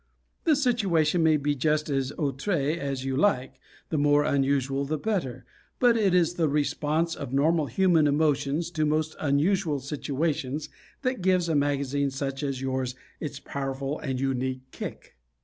The situation may be just as outre as you like the more unusual the better but it is the response of normal human emotions to most unusual situations that gives a magazine such as yours its powerful and unique "kick."